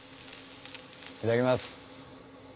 いただきます。